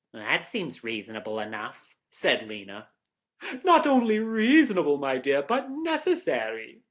"That seems reasonable enough," said Lena. "Not only reasonable, my dear, but necessary.